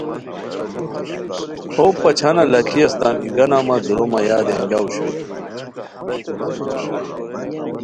ہو پچھانہ لاکھی استام ایگانہ مہ دُورو مہ یادی انگیاؤ اوشوئے